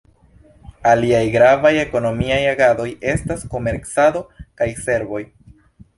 Aliaj gravaj ekonomiaj agadoj estas komercado kaj servoj.